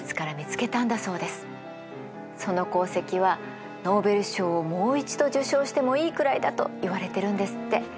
その功績はノーベル賞をもう一度受賞してもいいくらいだといわれてるんですって。